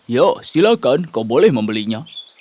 ya silakan kau boleh membelinya